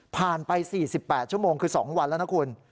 ไป๔๘ชั่วโมงคือ๒วันแล้วนะคุณ